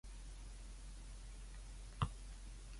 由雅典出現民主制度開始